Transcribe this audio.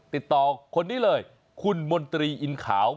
๐๘๑๓๖๘๙๓๖๐ติดต่อคนนี้เลยคุณมนตรีอินขาว